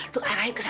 lu arahin ke sana